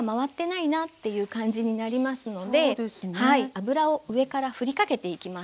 油を上からふりかけていきます。